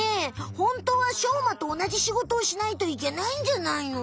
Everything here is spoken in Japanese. ホントはしょうまとおなじ仕事をしないといけないんじゃないの？